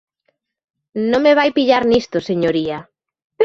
Non me vai pillar nisto, señoría.